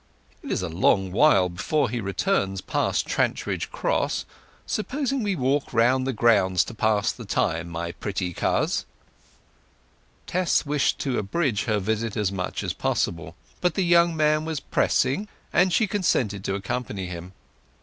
"It is a long while before he returns past Trantridge Cross. Supposing we walk round the grounds to pass the time, my pretty Coz?" Tess wished to abridge her visit as much as possible; but the young man was pressing, and she consented to accompany him.